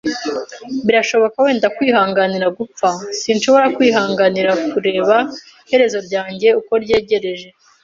birashoboka, wenda, kwihanganira gupfa, sinshobora kwihanganira kureba iherezo ryanjye uko ryegereje.